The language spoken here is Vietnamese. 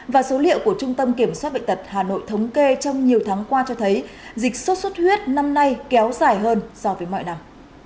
và số liệu của trung tâm kiểm soát bệnh tật hà nội thống kê trong nhiều tháng qua cho thấy dịch sốt xuất huyết năm nay kéo dài hơn so với mọi năm